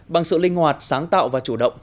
bằng sự linh hoạt sáng tạo và chủ động